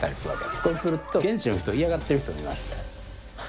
そうすると、現地の人、嫌がってる人います。